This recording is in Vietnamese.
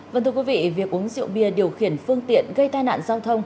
vâng thưa quý vị việc uống rượu bia điều khiển phương tiện gây tai nạn giao thông